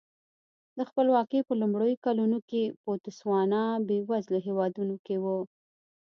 د خپلواکۍ په لومړیو کلونو کې بوتسوانا بېوزلو هېوادونو کې و.